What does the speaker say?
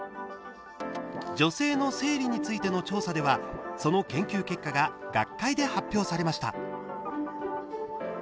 女性の生理についての調査ではその研究結果が学会で発表されました。